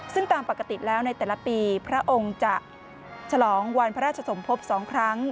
ซึ่งตามปกติแล้วในแต่ละปีพระองค์จะฉลองวันพระราชสมภพ๒ครั้ง